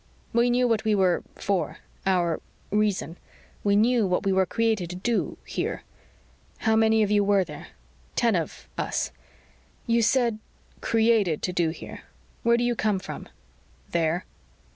"We knew what we were for. Our reason. We knew what we were created to do here." "How many of you were there?" "Ten of us." "You said, 'created to do here.' Where do you come from?" "There."